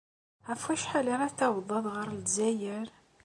Ɣef wacḥal ara tawḍed ɣer Lezzayer?